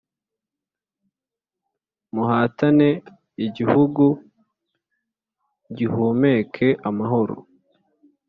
Muhatane igihugu gihumeke amahoro